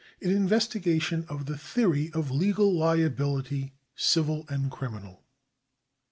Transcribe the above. An investigation of the theory of legal liability, civil and criminal.